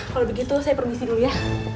kalo begitu saya permisi dulu ya